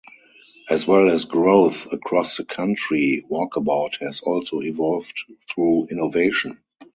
As well as growth across the country, Walkabout has also evolved through innovation.